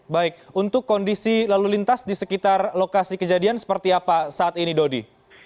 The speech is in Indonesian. baik untuk kondisi lalu lintas di sekitar lokasi kejadian seperti apa saat ini dodi